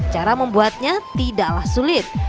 cara membuatnya tidaklah sulit